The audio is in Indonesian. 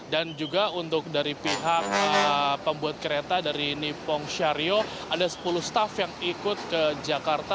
dan juga untuk dari pihak pembuat kereta dari nippon sharyo ada sepuluh staff yang ikut ke jakarta